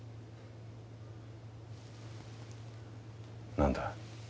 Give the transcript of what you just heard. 何だ。